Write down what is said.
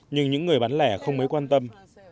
nhưng những người bán lẻ không mấy quan tâm